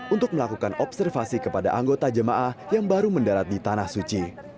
untuk melakukan observasi kepada anggota jemaah yang baru mendarat di tanah suci